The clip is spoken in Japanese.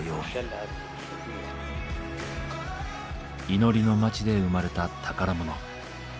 祈りの町で生まれた宝物。